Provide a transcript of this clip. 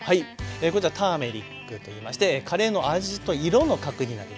こちらターメリックといいましてカレーの味と色の核になりますね。